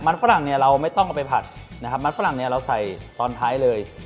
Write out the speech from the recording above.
มันฝรั่งเนี่ยเราไม่ต้องเอาไปผัดนะครับมันฝรั่งเนี่ยเราใส่ตอนท้ายเลย